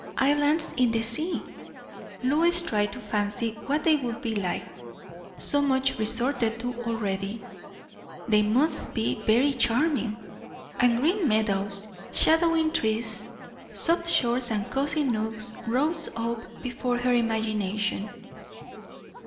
Islands in the sea! Lois tried to fancy what they would be like. So much resorted to already, they must be very charming; and green meadows, shadowing trees, soft shores and cosy nooks rose up before her imagination.